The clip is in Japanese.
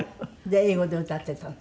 英語で歌っていたの？